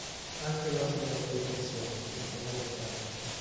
Anche l'ordine delle funzioni è fondamentale.